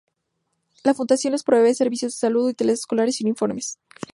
La Fundación les provee servicios de salud, útiles escolares y uniformes.